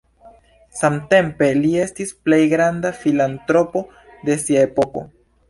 Samtempe, li estis plej granda filantropo de sia epoko.